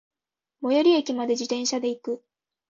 最寄駅まで、自転車で行く。